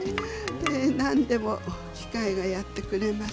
何でも機械がやってくれます。